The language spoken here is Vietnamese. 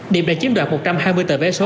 điểm đã chiếm đoạt một trăm hai mươi tờ vé số